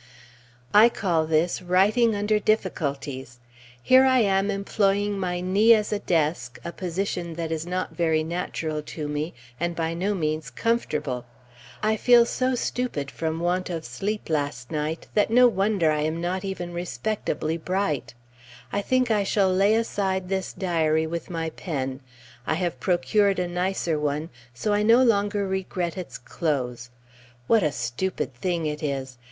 I call this writing under difficulties! Here I am employing my knee as a desk, a position that is not very natural to me, and by no means comfortable. I feel so stupid, from want of sleep last night, that no wonder I am not even respectably bright. I think I shall lay aside this diary with my pen. I have procured a nicer one, so I no longer regret its close. What a stupid thing it is!